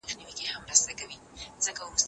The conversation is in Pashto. هغه به غلو ته اجازه نه ورکوي.